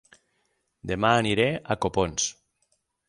Dema aniré a Copons